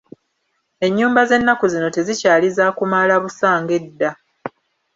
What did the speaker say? Ennyumba z'ennaku zino tezikyali za kumaala busa ng'edda.